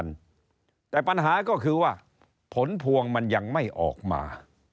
ชาวบ้านก็เดือดร้อนกันทุกวัน